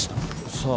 さあ？